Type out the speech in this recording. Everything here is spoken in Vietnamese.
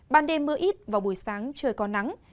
ban đêm mưa ít vào buổi sáng trời có nắng